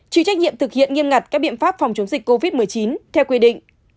chịu trách nhiệm thực hiện nghiêm ngặt các biện pháp phòng chống dịch covid một mươi chín theo quy định